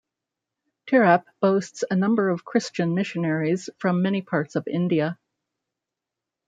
Tirap boasts a number of Christian missionaries from many parts of India.